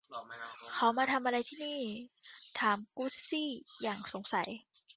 'เขามาทำอะไรที่นี่ ?' ถามกุสซี่อย่างสงสัย